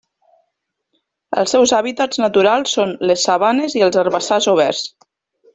Els seus hàbitats naturals són les sabanes i els herbassars oberts.